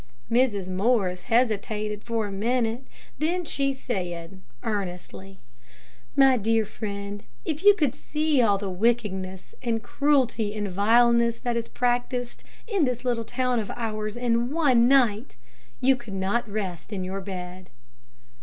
Mrs. Morris hesitated for a minute, then she said, earnestly: "My dear friend, if you could see all the wickedness, and cruelty, and vileness, that is practised in this little town of ours in one night, you could not rest in your bed."